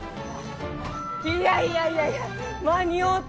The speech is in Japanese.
いやいやいやいや間に合うた！